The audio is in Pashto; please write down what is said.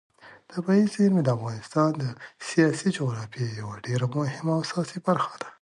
طبیعي زیرمې د افغانستان د سیاسي جغرافیې یوه ډېره مهمه او اساسي برخه ده.